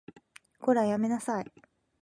こら、やめなさい